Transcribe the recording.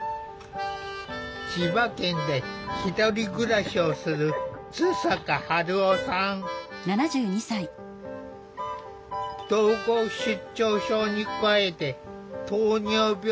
千葉県でひとり暮らしをする統合失調症に加えて糖尿病や心臓の持病がある。